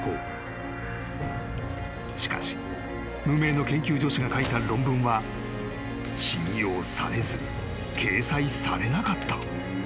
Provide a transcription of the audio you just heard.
［しかし無名の研究助手が書いた論文は信用されず掲載されなかった］